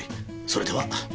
それでは。